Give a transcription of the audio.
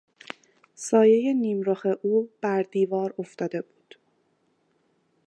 سایهی نیمرخ او بر دیوار افتاده بود.